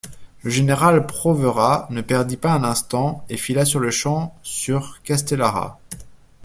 Le général Provera ne perdit pas un instant et fila sur-le-champ sur Castellara.